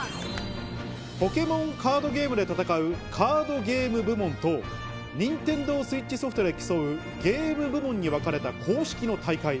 ポケモンカードゲームで戦うカードゲーム部門とＮｉｎｔｅｎｄｏＳｗｉｔｃｈソフトで競うゲーム部門に分かれた公式の大会。